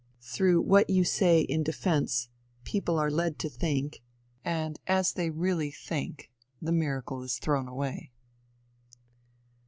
Through what you say in defence people are led to think, and as soon as they really think, the miracle is thrown away.